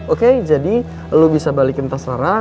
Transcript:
oke jadi lo bisa balikin tas rara